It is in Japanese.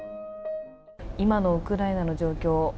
今のウクライナの状況